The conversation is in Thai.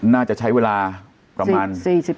น่าจะใช้เวลาประมาณ